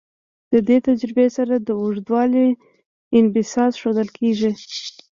دې تجربې سره د اوږدوالي انبساط ښودل کیږي.